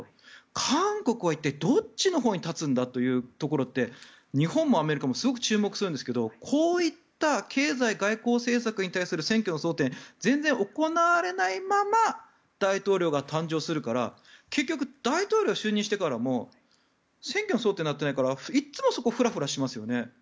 韓国は一体どっちのほうに立つんだというところって日本もアメリカもすごく注目するんですけどこういった経済・外交政策に対する選挙の争点全然、行われないまま大統領が誕生するから結局、大統領が就任してからも選挙の争点になっていないからいっつもそこがふらふらしますよね。